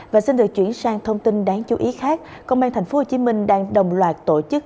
và xin được chuyển sang thông tin đáng chú ý khác công an tp hcm đang đồng loạt tổ chức